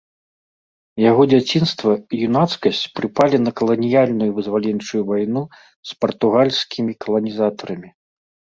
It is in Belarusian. Яго дзяцінства і юнацкасць прыпалі на каланіяльную вызваленчую вайну з партугальскімі каланізатарамі.